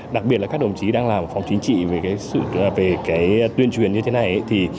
đặc biệt là các đồng chí đang làm phòng chính trị về tuyên truyền như thế này